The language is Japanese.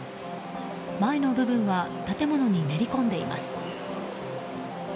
前の部分は建物にめり込んでいます。